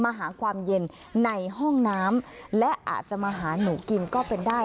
มาหาความเย็นในห้องน้ำและอาจจะมาหาหนูกินก็เป็นได้